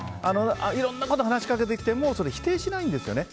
いろんな方に話しかけてきても否定しないんですよね。